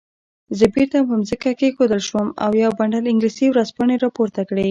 زه بیرته په ځمکه کېښودل شوم او یو بنډل انګلیسي ورځپاڼې راپورته کړې.